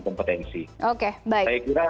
kompetensi oke saya kira